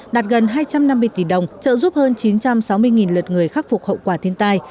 đạt gần hai trăm năm mươi tỷ đồng trợ giúp hơn chín trăm sáu mươi lượt người khắc phục hậu quả thiên tai